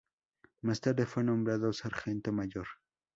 Más tarde fue nombrado sargento mayor.